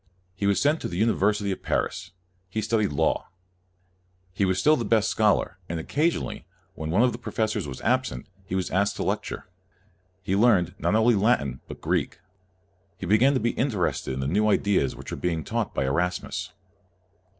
He was sent to the University of Paris. He studied law. He w r as still the best scholar, and occasionally, when one of the professors was absent, he was asked to lecture. He learned, not only Latin, but Greek. He began to be interested in the new ideas which were being taught by Erasmus.